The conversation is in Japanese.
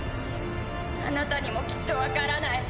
あなたにもきっと分からない。